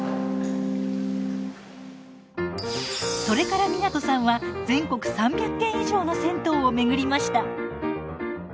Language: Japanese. それから湊さんは全国３００軒以上の銭湯を巡りました。